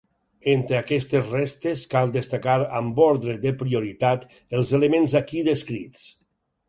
Entre aquestes restes cal destacar amb ordre de prioritat els elements aquí descrits.